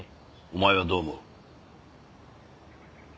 お前はどう思う？